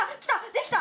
できた！